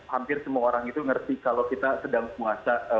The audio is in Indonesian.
hampir semua orang itu ngerti kalau kita sedang puasa